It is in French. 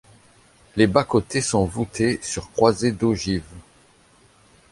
Les bas-côtés sont voutés sur croisées d'ogives.